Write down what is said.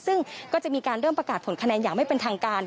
ซึ่งก็จะมีการเริ่มประกาศผลคะแนนอย่างไม่เป็นทางการ